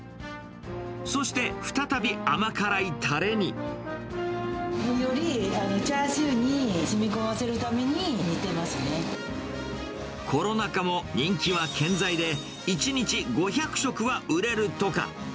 そして、再び甘辛いたれに。よりチャーシューにしみこまコロナ禍も人気は健在で、１日５００食は売れるとか。